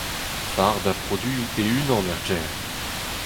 Fardañ produioù e-unan er gêr.